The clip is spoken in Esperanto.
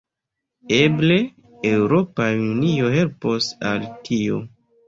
Eble Eŭropa Unio helpos al tio.